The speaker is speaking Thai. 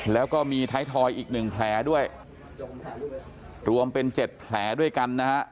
แล้วก็มีไททอยอีก๑แผลด้วยรวมเป็น๗แผลด้วยกันนะครับ